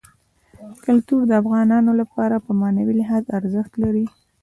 کلتور د افغانانو لپاره په معنوي لحاظ ارزښت لري.